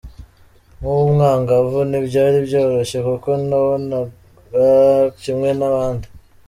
Nk’umwangavu ntibyari byoroshye kuko ntibonaga kimwe n’abandi.